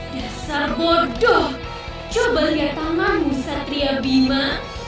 dasar bodoh coba lihat taman satria bima